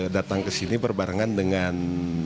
datang ke sini berbarengan dengan